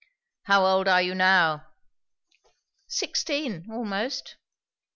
"How old are you now?" "Sixteen, almost."